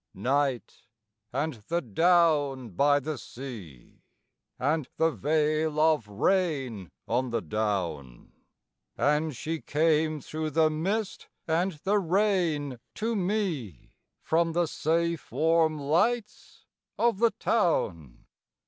NIGHT, and the down by the sea, And the veil of rain on the down; And she came through the mist and the rain to me From the safe warm lights of the town.